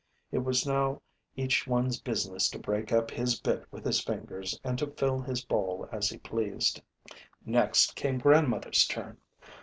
It was now each one's business to break up his bit with his fingers and to fill his bowl as he pleased. Next came grandmother's turn.